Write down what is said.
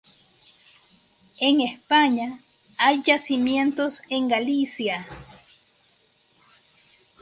En España hay yacimientos en Galicia.